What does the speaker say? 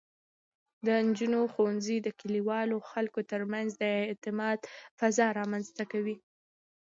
د نجونو ښوونځی د کلیوالو خلکو ترمنځ د اعتماد فضا رامینځته کوي.